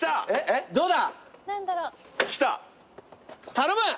頼む！